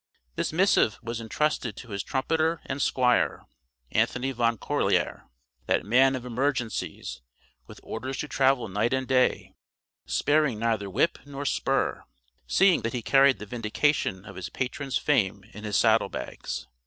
This missive was intrusted to his trumpeter and squire, Anthony Van Corlear, that man of emergencies, with orders to travel night and day, sparing neither whip nor spur, seeing that he carried the vindication of his patron's fame in his saddle bags.